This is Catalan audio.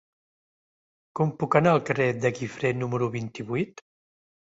Com puc anar al carrer de Guifré número vint-i-vuit?